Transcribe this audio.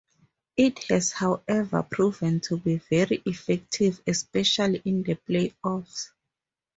It has, however, proven to be very effective, especially in the playoffs.